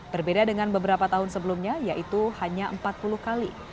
berbeda dengan beberapa tahun sebelumnya yaitu hanya empat puluh kali